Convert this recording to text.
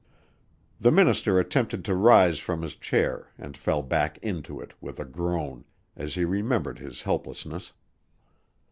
The minister attempted to rise from his chair and fell back into it, with a groan, as he remembered his helplessness.